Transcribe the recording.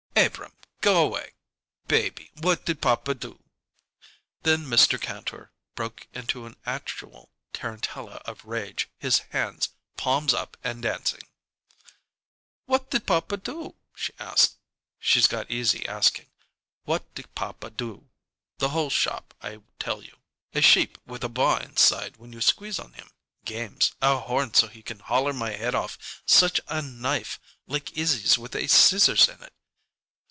"Abrahm go 'way! Baby, what did papa do?" Then Mr. Kantor broke into an actual tarantella of rage, his hands palms up and dancing. "'What did papa do?' she asks. She's got easy asking. 'What did papa do?' The whole shop, I tell you. A sheep with a baa inside when you squeeze on him games a horn so he can holler my head off such a knife like Izzie's with a scissors in it.